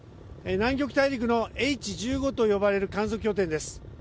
南極大陸のＨ１５と呼ばれる観測拠点です。